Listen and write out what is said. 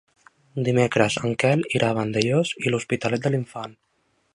Dimecres en Quel irà a Vandellòs i l'Hospitalet de l'Infant.